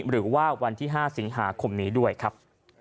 หรือว่าวันที่๕สิงหาคมนี้ด้วยครับ